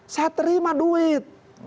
saya terima duit